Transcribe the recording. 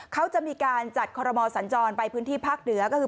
เขาจะมีการจัดคอรมอสัญจรไปพื้นที่ภาคเหนือก็คือ